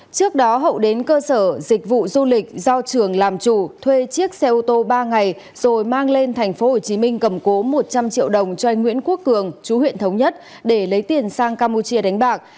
trước đó hậu đến cơ sở dịch vụ du lịch do trường làm chủ thuê chiếc xe ô tô ba ngày rồi mang lên tp hcm cầm cố một trăm linh triệu đồng cho anh nguyễn quốc cường chú huyện thống nhất để lấy tiền sang campuchia đánh bạc